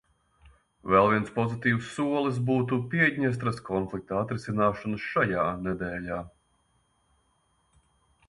Vēl viens pozitīvs solis būtu Piedņestras konflikta atrisināšana šajā nedēļā.